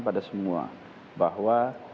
pada semua bahwa